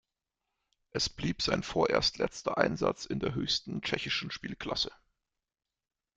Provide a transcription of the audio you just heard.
Es blieb sein vorerst letzter Einsatz in der höchsten tschechischen Spielklasse.